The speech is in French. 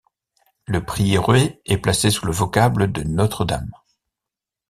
Le prieuré est placé sous le vocable de Notre Dame.